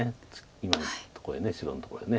今のとこへ白のとこへ。